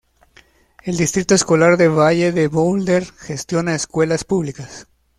El Distrito Escolar del Valle de Boulder gestiona escuelas públicas.